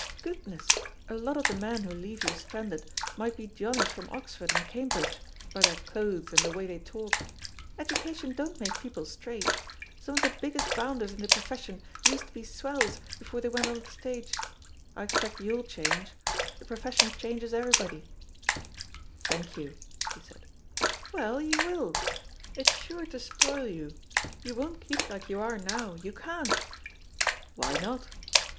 Goodness I a lot of the men who leave you stranded might be Johnnies from Oxford and Cambridge, by their clothes and the way they talk* Education don't make people straight; some of the biggest bounders in the profession used to be swells before they went on the stage* I expect yaw^ll change — ^the profession changes everybody/* "Thank you/' he said. "Well, you will I it's sure to spoil you — ^you won't keep like you are now; you can't I" "Why not?"